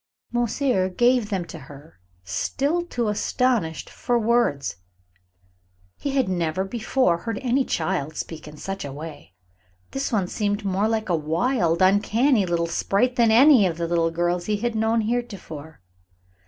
Monsieur gave them to her, still too astonished for words. He had never before heard any child speak in such a way. This one seemed more like a wild, uncanny little sprite than like any of the little girls he had known heretofore.